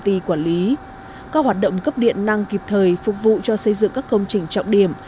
ty quản lý các hoạt động cấp điện năng kịp thời phục vụ cho xây dựng các công trình trọng điểm